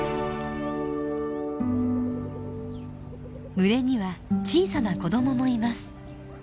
群れには小さな子どももいます。